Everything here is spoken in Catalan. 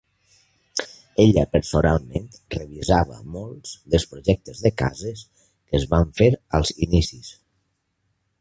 Ella personalment revisava molts dels projectes de cases que es van fer als inicis.